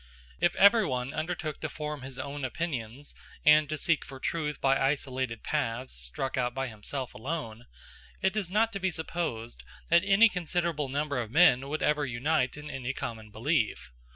If everyone undertook to form his own opinions and to seek for truth by isolated paths struck out by himself alone, it is not to be supposed that any considerable number of men would ever unite in any common belief.